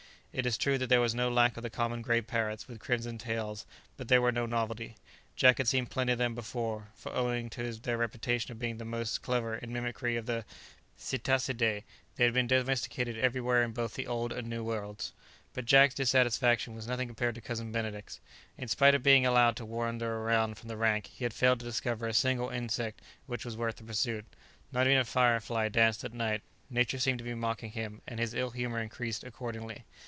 It is true that there was no lack of the common grey parrots with crimson tails, but these were no novelty; Jack had seen plenty of them before, for owing to their reputation of being the most clever in mimickry of the Psittacidæ, they have been domesticated everywhere in both the Old and New worlds. [Illustration: "Don't Fire!"] But Jack's dissatisfaction was nothing compared to Cousin Benedict's. In spite of being allowed to wander away from the rank, he had failed to discover a single insect which was worth the pursuit; not even a fire fly danced at night; nature seemed to be mocking him, and his ill humour increased accordingly.